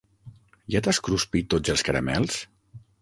Ja t'has cruspit tots els caramels?